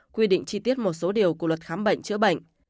quy định chi tiết một số điều của luật khám bệnh chữa bệnh